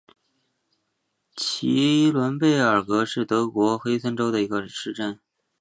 齐伦贝尔格是德国黑森州的一个市镇。